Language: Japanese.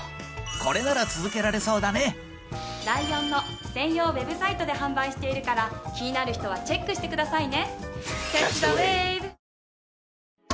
ライオンの専用ウェブサイトで販売しているから気になる人はチェックしてくださいね。